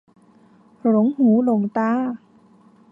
หลงหูหลงตา